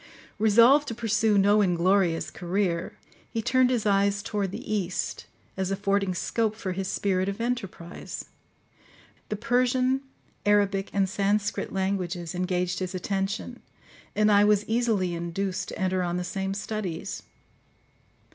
Resolved to pursue no inglorious career, he turned his eyes toward the East, as affording scope for his spirit of enterprise. The Persian, Arabic, and Sanskrit languages engaged his attention, and I was easily induced to enter on the same studies.